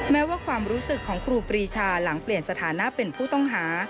แม้ว่าความรู้สึกของครูปรีชาหลังเปลี่ยนสถานะเป็นผู้ต้องหา